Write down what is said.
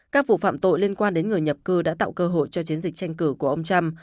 các vụ phạm tội liên quan đến người nhập cư đã tạo cơ hội cho chiến dịch tranh cử của ông trump